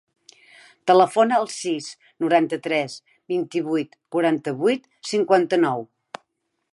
Telefona al sis, noranta-tres, vint-i-vuit, quaranta-vuit, cinquanta-nou.